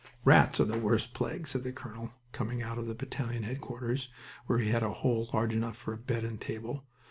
"Rats are the worst plague," said a colonel, coming out of the battalion headquarters, where he had a hole large enough for a bed and table.